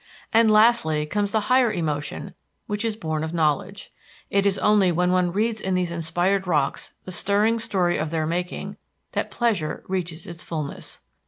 And lastly comes the higher emotion which is born of knowledge. It is only when one reads in these inspired rocks the stirring story of their making that pleasure reaches its fulness.